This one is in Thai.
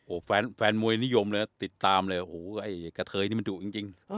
โอ้โหแฟนมวยนิยมเลยติดตามเลยโอ้โหไอ้กระเทยนี่มันดุจริง